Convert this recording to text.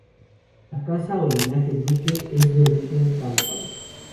La casa o linaje Duque es de origen cántabro.